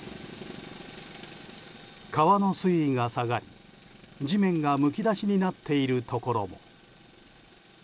川の水位が下がり地面がむき出しになっているところも。